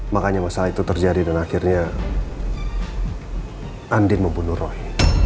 makanya masalah itu terjadi dan akhirnya andin membunuh rohi